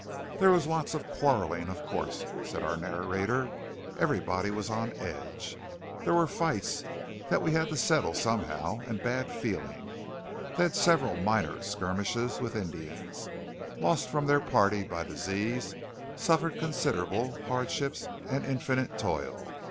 "There was lots of quarrelling, of course," said our narrator. "Everybody was on edge. There were fights, that we had to settle somehow, and bad feeling." They had several minor skirmishes with Indians, lost from their party by disease, suffered considerable hardships and infinite toil.